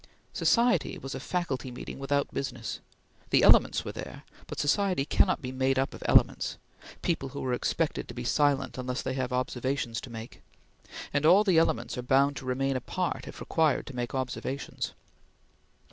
Society was a faculty meeting without business. The elements were there; but society cannot be made up of elements people who are expected to be silent unless they have observations to make and all the elements are bound to remain apart if required to make observations.